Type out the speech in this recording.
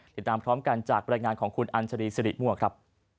ติดตามพร้อมกันจากบรรยายงานของคุณอัญชรีสิริมั่วครับ